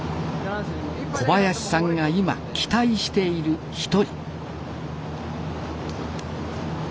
小林さんが今期待している一人。